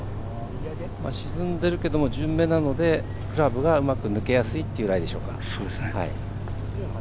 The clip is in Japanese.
沈んでるけど順目なのでグラブが抜けやすいというライでしょうか。